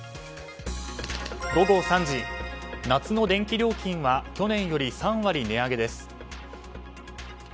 午後３時、夏の電気料金は去年より３割値上げです。